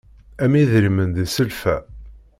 Am idrimen di sselfa.